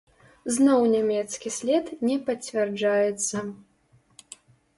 Зноў нямецкі след не пацвярджаецца.